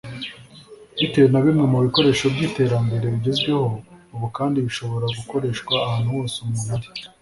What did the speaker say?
Bitewe na bimwe mu bikoresho by’iterambere bigezweho ubu kandi bishobora gukoreshwa ahantu hose umuntu ari